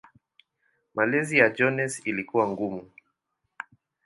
Malezi ya Jones ilikuwa ngumu.